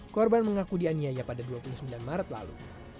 korban mengaku dianiaya pada dua puluh sembilan maret lalu